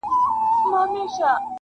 ځوانان هڅه کوي هېر کړي ډېر.